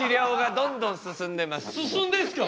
進んでんすか！？